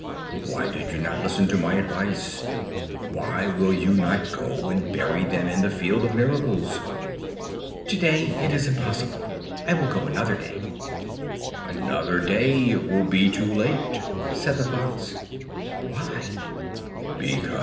Why do you not listen to my advice? Why will you not go and bury them in the Field of Miracles?" "Today it is impossible; I will go another day." "Another day it will be too late!" said the Fox. "Why?"